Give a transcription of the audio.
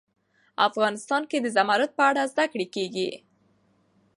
افغانستان کې د زمرد په اړه زده کړه کېږي.